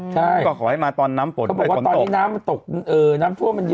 ใช่ก็ขอให้มาตอนน้ำฝนเขาบอกว่าตอนนี้น้ำมันตกเออน้ำท่วมมันเยอะ